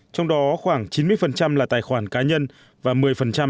trong đó khoảng chín mươi là tài khoản cá nhân và một mươi là tổ chức